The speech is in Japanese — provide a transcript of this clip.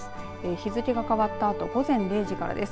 日付が変わったあと午前０時からです。